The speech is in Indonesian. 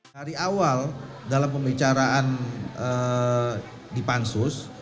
dari awal dalam pembicaraan di pansus